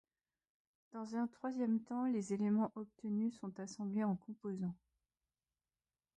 Dans un troisième temps, les éléments obtenus sont assemblés en composants.